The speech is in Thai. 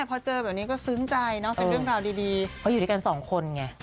พอเจอแบบนี้ก็ซึ้งใจเนอะเป็นเรื่องราวดีเขาอยู่ด้วยกันสองคนไง